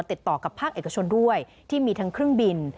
ติดต่อกับภาคเอกชนด้วยที่มีทั้งเครื่องบิน